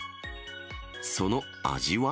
その味は？